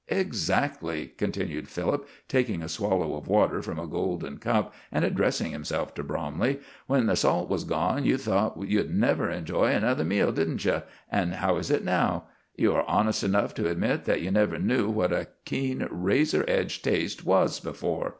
"Exactly!" continued Philip, taking a swallow of water from a golden cup, and addressing himself to Bromley. "When the salt was gone you thought you'd never enjoy another meal, didn't you? and how is it now? You are honest enough to admit that you never knew what a keen razor edge taste was before.